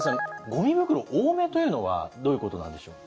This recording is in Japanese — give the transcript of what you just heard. ゴミ袋多めというのはどういうことなんでしょう。